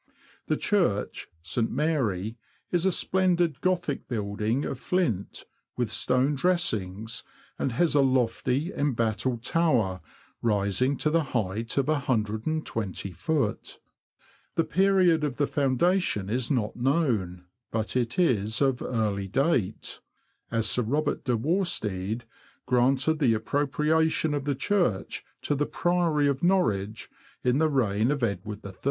The Church (St. Mary) is a splendid Gothic building of flint, with stone dressings, and has a lofty, embattled tower, rising to the height of 120ft. The period of the foundation is not known, but it is of early date, as Sir Robert de Worstede granted the appropriation of the church to the Priory of Norwich, in the reign of Edward III.